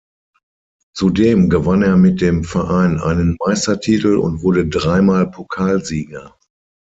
Zudem gewann er mit dem Verein einen Meistertitel und wurde dreimal Pokalsieger.